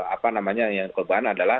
apa namanya yang korban adalah